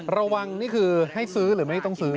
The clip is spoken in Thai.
นี่คือให้ซื้อหรือไม่ต้องซื้อ